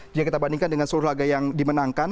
jika kita bandingkan dengan seluruh laga yang dimenangkan